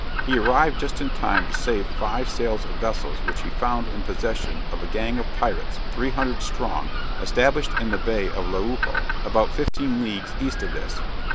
He arrived just in time to save five sail of vessels which he found in possession of a gang of pirates, 300 strong, established in the bay of Lejuapo, about 15 leagues east of this.